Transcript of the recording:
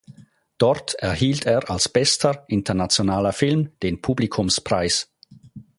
Dort erhielt er als bester internationaler Film den Publikumspreis.